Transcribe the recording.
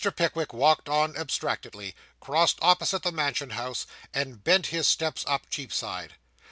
Pickwick walked on abstractedly, crossed opposite the Mansion House, and bent his steps up Cheapside.